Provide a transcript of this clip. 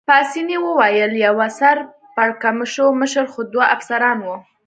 پاسیني وویل: یوه سر پړکمشر مشر خو دوه افسران وو.